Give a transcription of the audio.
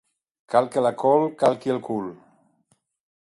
Cal que la col calqui el cul.